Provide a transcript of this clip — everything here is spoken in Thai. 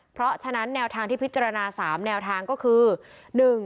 เพราะฉะนั้นแนวทางที่พิจารณา๓แนวทางก็คือ